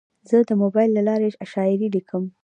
زه د موبایل له لارې شاعري لیکم.